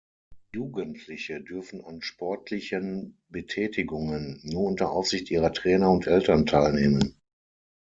Jugendliche dürfen an sportlichen Betätigungen nur unter Aufsicht ihrer Trainer und Eltern teilnehmen.